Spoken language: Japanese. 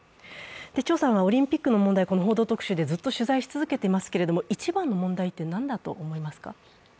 ちょうさんはオリンピックの問題、この「報道特集」でずっと取材し続けていますけれども一番の問題って何だと思いますか？